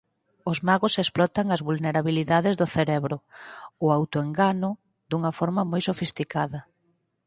Os magos explotan as vulnerabilidades do cerebro, o autoengano, dunha forma moi sofisticada.